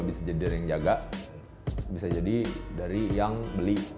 bisa jadi dari yang jaga bisa jadi dari yang beli